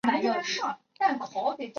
明天过后爬满蚂蚁